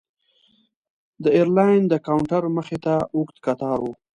د ایرلاین د کاونټر مخې ته اوږد کتار و.